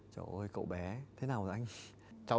trời ơi cậu bé thế nào rồi anh